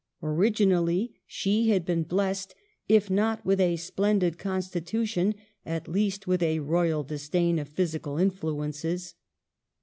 Originally she had been blest, if not with a splendid consti tution, at least with a royal disdain of physical influences.